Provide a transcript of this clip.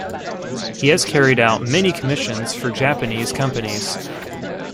He has carried out many commissions for Japanese companies.